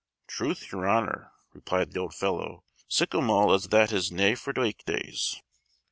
"Troth, your honor," replied the old fellow, "sic a mull as that is nae for week days."